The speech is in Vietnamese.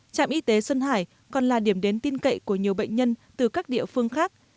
trạm y tế xuân hải còn là điểm đến tin cậy của nhiều bệnh nhân từ các địa phương khác